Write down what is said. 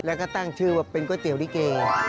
แล้วก็ตั้งชื่อว่าเป็นก๋วยเตี๋ยวลิเก